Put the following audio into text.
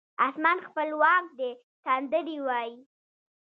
اسمان خپلواک دی سندرې وایې